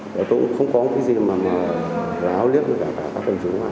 và tôi cũng không có cái gì mà láo liếc với cả các quân chủ ngoài